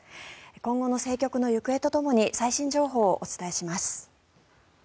今後の政局の行方とともに最新情報をお伝えします。